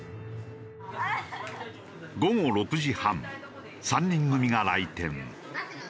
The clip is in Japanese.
午後６時半３人組が来店。